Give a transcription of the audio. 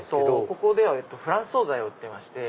ここではフランス総菜を売ってまして。